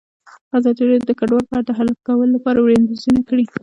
ازادي راډیو د کډوال په اړه د حل کولو لپاره وړاندیزونه کړي.